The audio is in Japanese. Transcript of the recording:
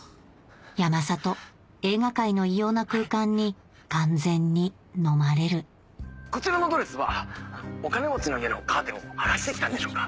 山里映画界の異様な空間に完全にのまれるこちらのドレスはお金持ちの家のカーテンを剥がしてきたんでしょうか？